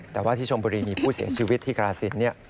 แต่ว่าที่ชมบุรีมีผู้เสียชีวิตที่กราศิลป์